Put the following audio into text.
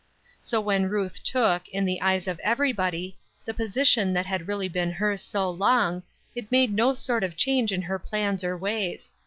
So when Ruth took, in the eyes of everybody, the position that had really been hers so long, it made no sort of change in her plans or ways.